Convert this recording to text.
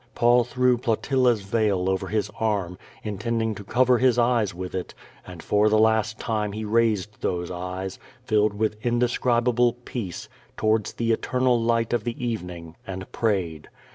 Paul threw Plautilla's veil^ over his arm, intending to cover his eyes with it, and for the last time he raised those eyes, filled with indescribable peace, towards the eternal light of the evening, and prayed.